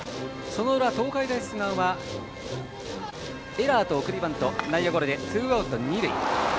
その裏、東海大菅生はエラーと送りバント、内野ゴロでツーアウト、二塁。